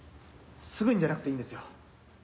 すぐにじゃなくていいんですよ。